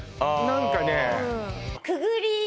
何かね